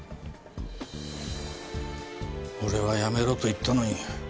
俺はやめろと言ったのに。